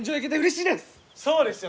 そうですよ